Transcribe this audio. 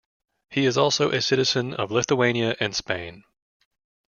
He is also a citizen of Lithuania and Spain.